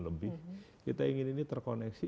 lebih kita ingin ini terkoneksi